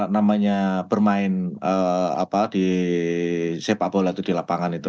namanya bermain di sepak bola itu di lapangan itu